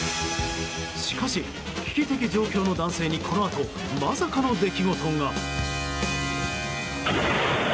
しかし、危機的状況の男性にこのあと、まさかの出来事が。